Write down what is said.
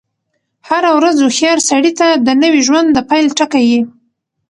هره ورځ هوښیار سړي ته د نوی ژوند د پيل ټکی يي.